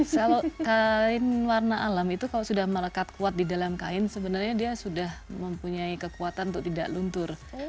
kalau kain warna alam itu kalau sudah melekat kuat di dalam kain sebenarnya dia sudah mempunyai kekuatan untuk tidak luntur